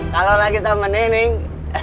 kalau lagi sama nenek